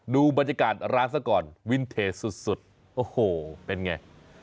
ดูบรรยากาศร้านซะก่อนวินเทสุดโอ้โหเป็นไง